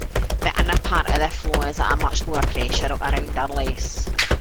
The inner part of the flow is at much lower pressure, around or less.